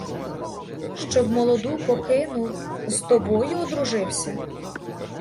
Щоб молоду покинув, з тобою одружився?